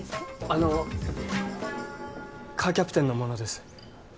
あのカーキャプテンの者です